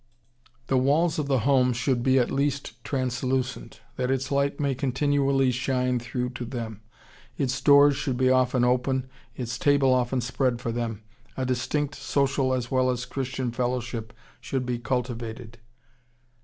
The walls of the home should be at least translucent, that its light may continually shine through to them; its doors should be often open, its table often spread for them; a distinct social as well as Christian fellowship should be cultivated.